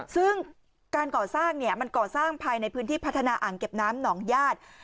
ซึ่งการก่อสร้างเนี่ยมันก่อสร้างภายในพื้นที่พัฒนาอ่างเก็บน้ำหนองญาติ